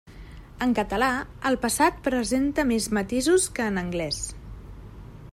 En català, el passat presenta més matisos que en anglès.